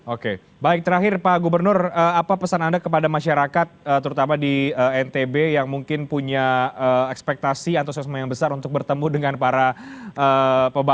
oke baik terakhir pak gubernur apa pesan anda kepada masyarakat terutama di ntb yang mungkin punya ekspektasi antusiasme yang besar untuk bertemu dengan para pembalap